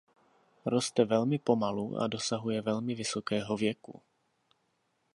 Roste velmi pomalu a dosahuje velmi vysokého věku.